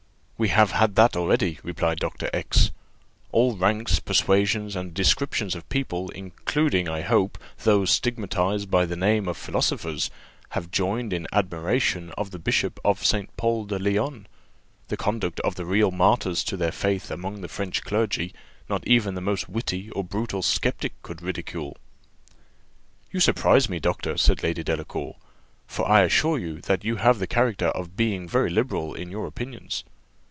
"We have had that already," replied Dr. X . "All ranks, persuasions, and descriptions of people, including, I hope, those stigmatized by the name of philosophers, have joined in admiration of the bishop of St. Pol de Leon. The conduct of the real martyrs to their faith amongst the French clergy, not even the most witty or brutal sceptic could ridicule." "You surprise me, doctor!" said Lady Delacour; "for I assure you that you have the character of being very liberal in your opinions."